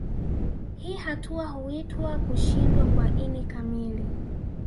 Hii hatua huitwa kushindwa kwa ini kamili